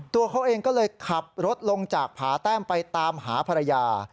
ตัวเขาเองก็เลยขับรถลงจากผาแต้มไปตามหาภรรยา